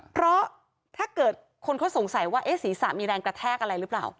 เพราะถ้าเกิดคนเขาสงสัยว่าศีรษะมีแรงกระแทกอะไรหรือเปล่า